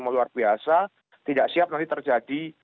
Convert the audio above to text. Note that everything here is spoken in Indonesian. mau luar biasa tidak siap nanti terjadi